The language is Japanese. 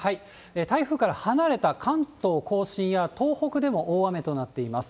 台風から離れた関東甲信や東北でも大雨となっています。